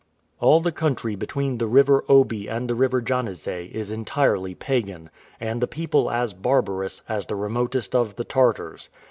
All the country between the river Oby and the river Janezay is as entirely pagan, and the people as barbarous, as the remotest of the Tartars.